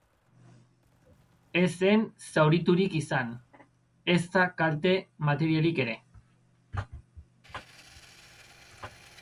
Ez zen zauriturik izan, ezta kalte materialik ere.